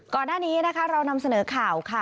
ก่อนหน้านี้นะคะเรานำเสนอข่าวค่ะ